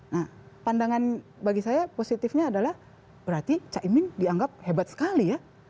nah pandangan bagi saya positifnya adalah berarti caimin dianggap hebat sekali ya